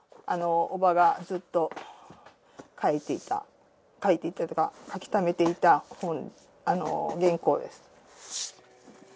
伯母がずっと書いていた書いていたというか書きためていた本原稿です。